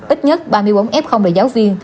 ít nhất ba mươi bốn f là giáo viên